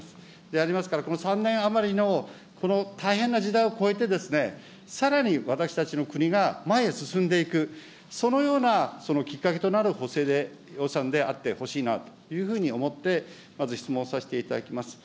でありますから、この３年余りのこの大変な時代をこえて、さらに私たちの国が前へ進んでいく、そのような、そのきっかけとなる補正予算であってほしいなというふうに思って、まず質問させていただきます。